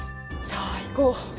さあ行こう。